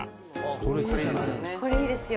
「これいいですよ」